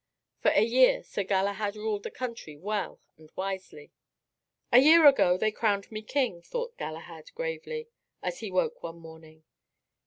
For a year Sir Galahad ruled the country well and wisely. "A year ago they crowned me king," thought Galahad gravely, as he woke one morning.